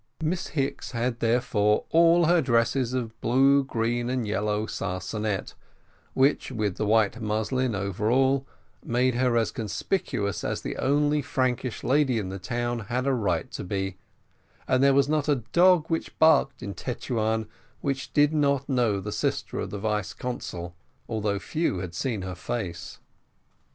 Miss Hicks had therefore all her dresses of blue, green, and yellow sarcenet, which, with the white muslin overall, made her as conspicuous as the only Frankish lady in the town had a right to be, and there was not a dog which barked in Tetuan which did not know the sister of the vice consul, although few had seen her face.